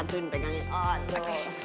yang aku coba pertama yang mau tante